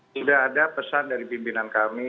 sudah ada pesan dari pimpinan kami